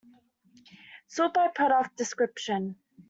Sort by product description.